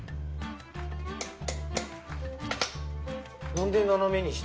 何で斜めに？